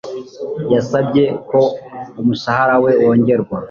yasabye ko umushahara we wongerwa